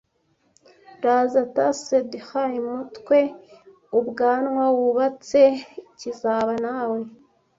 Raza tussled hay mutwe, ubwanwa, wubatse, kizaba nawe!